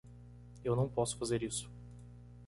Eu não posso fazer isso.